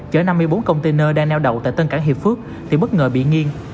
chở năm mươi bốn container đang neo đậu tại tân cảng hiệp phước thì bất ngờ bị nghiêng